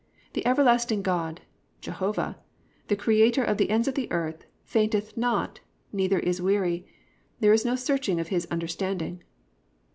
The everlasting God, Jehovah, the creator of the ends of the earth, fainteth not, neither is weary; there is no searching of his understanding."